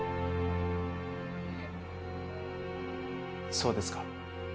そうですか。